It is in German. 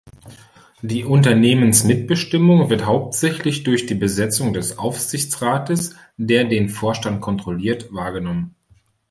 Die Unternehmensmitbestimmung wird hauptsächlich durch die Besetzung des Aufsichtsrates, der den Vorstand kontrolliert, wahrgenommen.